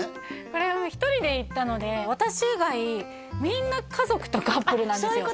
これ一人で行ったので私以外みんな家族とカップルなんですよ